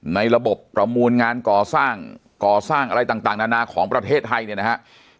ในระบบประมูลงานก่อสร้างอะไรต่างนานาของประเทศไทยเนี่ยนะครับ